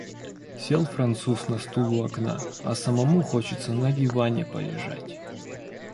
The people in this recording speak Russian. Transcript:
Сел француз на стул у окна, а самому хочется на диване полежать.